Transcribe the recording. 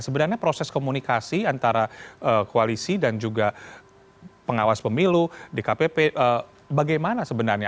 sebenarnya proses komunikasi antara koalisi dan juga pengawas pemilu dkpp bagaimana sebenarnya